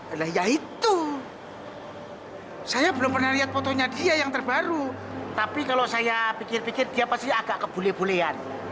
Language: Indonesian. adalah ya itu saya belum pernah lihat fotonya dia yang terbaru tapi kalau saya pikir pikir dia pasti agak kebule bulean